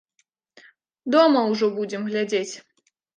Дома ўжо будзем глядзець.